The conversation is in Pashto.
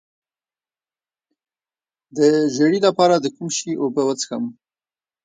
د ژیړي لپاره د کوم شي اوبه وڅښم؟